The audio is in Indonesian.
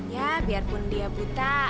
ya biarpun dia buta